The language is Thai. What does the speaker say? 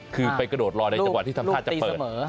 คือไปกระโดดรอในจังหวะที่ทำท่าจะเปิด